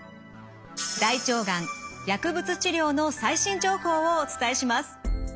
大腸がん薬物治療の最新情報をお伝えします。